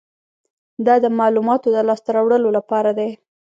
دا د معلوماتو د لاسته راوړلو لپاره دی.